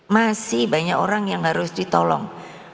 masih banyak orang yang harus ditolong